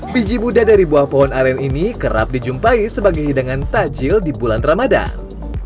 biji buddha dari buah pohon aren ini kerap dijumpai sebagai hidangan tajil di bulan ramadan